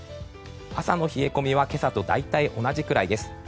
朝の冷え込みは今朝と大体同じくらいです。